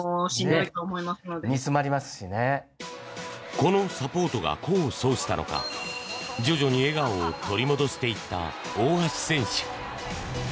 このサポートが功を奏したのか徐々に笑顔を取り戻していった大橋選手。